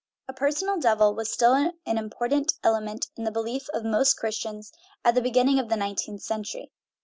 A personal devil was still an important element in the belief of most Christians at the begin ning of the nineteenth century.